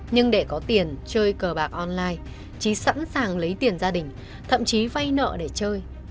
nhưng để có tiền chơi cờ bạc online chí sẵn sàng lấy tiền gia đình thậm chí vay nợ để chơi